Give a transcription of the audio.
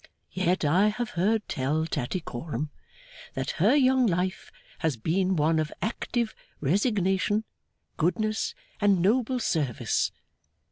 Yet I have heard tell, Tattycoram, that her young life has been one of active resignation, goodness, and noble service.